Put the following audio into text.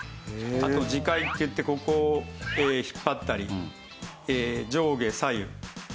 あと耳介っていってここを引っ張ったり上下左右。